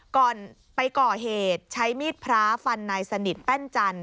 ก่อนไปก่อเหตุใช้มีดพระฟันนายสนิทแป้นจันท